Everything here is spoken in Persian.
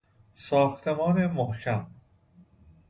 ساختمان محکم